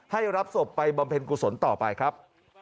รับศพไปบำเพ็ญกุศลต่อไปครับ